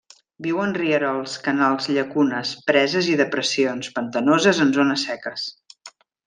Viu en rierols, canals, llacunes, preses i depressions pantanoses en zones seques.